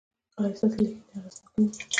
ایا ستاسو لیکنې اغیزناکې نه دي؟